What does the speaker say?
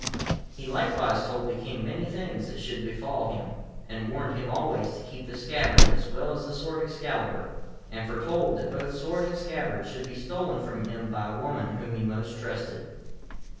He likewise told the King many things that should befall him, and warned him always to keep the scabbard as well as the sword Excalibur, and foretold that both sword and scabbard should be stolen from him by a woman whom he most trusted.